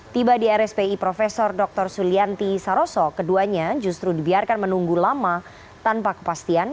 tiba di rspi prof dr sulianti saroso keduanya justru dibiarkan menunggu lama tanpa kepastian